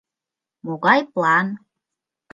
Могай план?